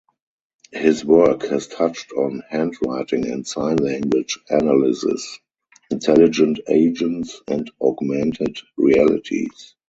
His work has touched on handwriting and sign-language analysis, intelligent agents and augmented realities.